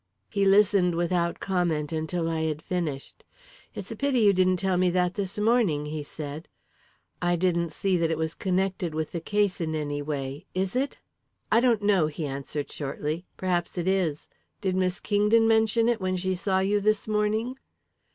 He listened without comment until I had finished. "It's a pity you didn't tell me that this morning," he said. "I didn't see that it was connected with the case in any way. Is it?" "I don't know," he answered slowly. "Perhaps it is. Did Miss Kingdon mention it when she saw you this morning?"